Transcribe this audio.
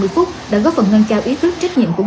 đã góp phần ngăn trao ý thức trách nhiệm của người dân